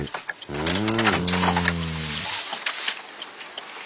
うん。